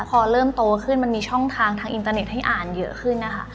พอเริ่มโตขึ้นมันมีช่องทางทางอินเตอร์เน็ตให้อ่านเยอะขึ้นนะคะ